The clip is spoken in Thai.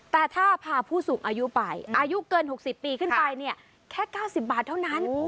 แต่ถ้าพาผู้สูงอายุไปอายุเกิน๖๐ปีขึ้นไปเนี่ยแค่๙๐บาทเท่านั้น